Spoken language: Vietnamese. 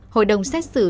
hội đồng xét xử